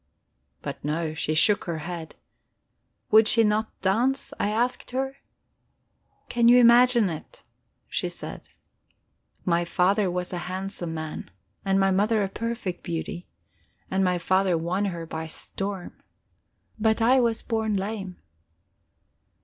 But no, she shook her head. Would she not dance, I asked her? 'Can you imagine it?' she said. 'My father was a handsome man, and my mother a perfect beauty, and my father won her by storm. But I was born lame.'"